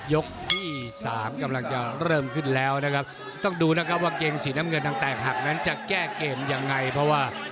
ยกที่สามกำลังจะเริ่มขึ้นแล้วนะครับต้องดูนะครับว่าเกงสีน้ำเงินทางแตกหักนั้นจะแก้เกมยังไงเพราะว่า